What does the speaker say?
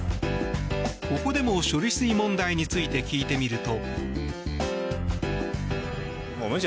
ここでも、処理水問題について聞いてみると。